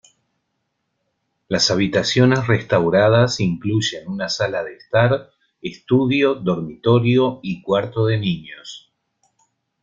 Las habitaciones restauradas incluyen una sala de estar, estudio, dormitorio y cuarto de niños.